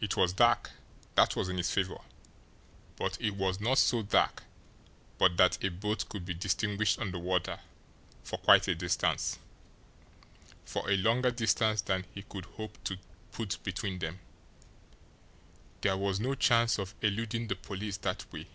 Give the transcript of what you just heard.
It was dark that was in his favour but it was not so dark but that a boat could be distinguished on the water for quite a distance, for a longer distance than he could hope to put between them. There was no chance of eluding the police that way!